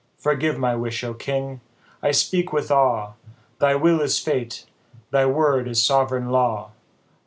Forgive my wish, O king ! I speak with awe, Thy will is fate, thy word is sovereign law